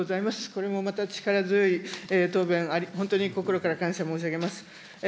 これもまた力強い答弁、本当に心から感謝申し上げます。